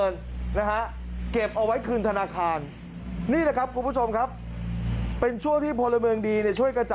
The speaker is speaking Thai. โดนแทงเขาหัวใจเลย